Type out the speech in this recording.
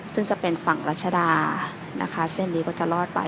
ซึ่งจะเป็นฝั่งรัชดานะคะเส้นนี้ก็จะรอดไป